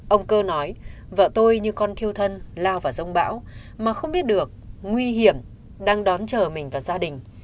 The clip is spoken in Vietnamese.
ông cơ nói vợ tôi như con thiêu thân lao vào rông bão mà không biết được nguy hiểm đang đón chờ mình và gia đình